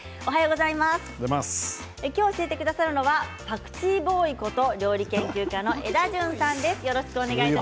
今日、教えてくださるのはパクチーボーイこと料理研究家のエダジュンさんです。